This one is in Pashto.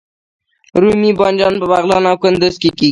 رومي بانجان په بغلان او کندز کې کیږي